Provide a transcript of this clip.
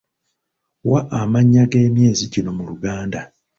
Wa amannya g'emyezi gino mu Luganda.